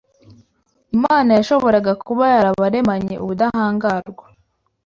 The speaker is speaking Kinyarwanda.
Imana yashoboraga kuba yarabaremanye ubudahangarwa